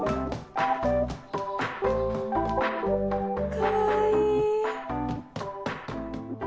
かわいい。